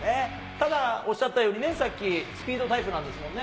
ただ、おっしゃったようにね、さっき、スピードタイプなんですもんね。